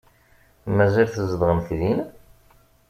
Mazal tzedɣemt din?